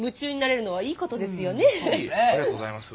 ありがとうございます。